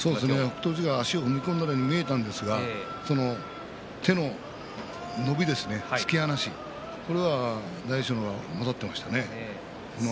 足を踏み込んだように見えたんですが手の伸びですね、突き放しこれが大栄翔の方が勝っていましたね。